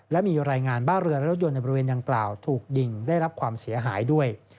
และมีรายงานบ้านเรือและรถยนต์ในบริเวณดังกล่าวถูกยิงได้รับความเสียหายด้วย